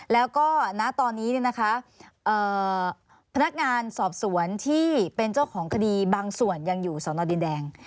แล้วก็ณตอนนี้พนักงานสอบสวนที่เป็นเจ้าของคดีบางส่วนยังอยู่สอนอดินแดง